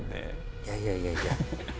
いやいやいやいや。